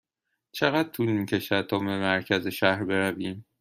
چقدر طول می کشد تا به مرکز شهر برویم؟